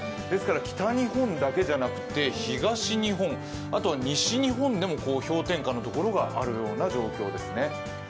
ですから北日本だけじゃなくて東日本、あとは西日本でも氷点下のところがあるような状況ですね。